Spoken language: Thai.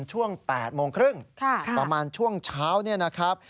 ช่วง๘โมงครึ่งประมาณช่วงเช้าเนี่ยนะครับ